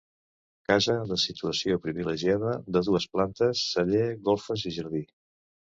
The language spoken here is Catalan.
Casa de situació privilegiada de dues plantes, celler, golfes i jardí.